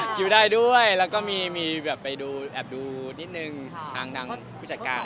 ชิวได้ด้วยและก็มีแบบไปดูแอบดูนิดนึงพร้านคุณผู้จัดการครับ